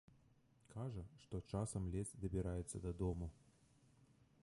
Кажа, што часам ледзь дабіраецца дадому.